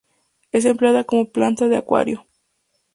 Es empleada como planta de acuario.